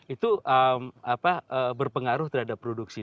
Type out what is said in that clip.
itu berpengaruh terhadap produksi